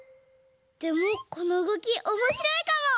でもこのうごきおもしろいかも！